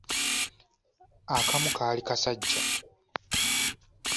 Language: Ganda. Akamu kaali kasajja,